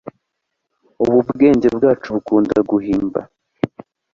ubu bwenge bwacu bukunda kugimba